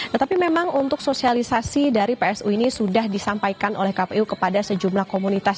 tetapi memang untuk sosialisasi dari psu ini sudah disampaikan oleh kpu kepada sejumlah komunitas